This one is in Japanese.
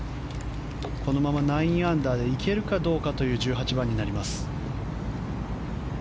このまま、９アンダーでいけるかどうかという１８番。